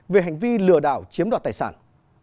về hành vi lừa đảo chiếm đoạt tài sản